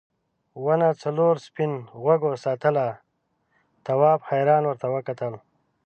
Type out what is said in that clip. ونه څلورو سپین غوږو ساتله تواب حیران ورته وکتل.